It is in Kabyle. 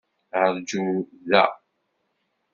Ṛju da.